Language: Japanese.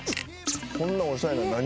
こんなおしゃれなの何？